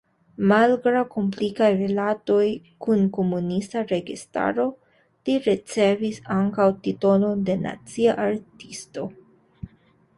Malgraŭ komplikaj rilatoj kun komunista registaro li ricevis ankaŭ titolon de Nacia artisto.